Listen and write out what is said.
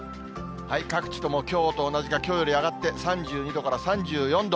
各地ともきょうと同じかきょうより上がって、３２度から３４度。